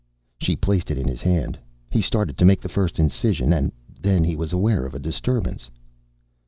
She placed it in his hand. He started to make the first incision. And then he was aware of a disturbance.